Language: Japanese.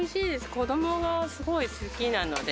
子どもがすごい好きなので。